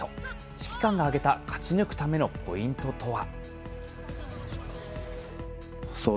指揮官が挙げた勝ち抜くためのポイントとは。